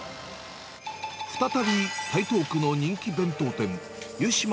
再び、台東区の人気弁当店、ゆしま